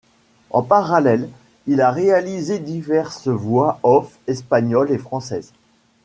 En parallèle, il a réalisé diverses voix off espagnoles et françaises.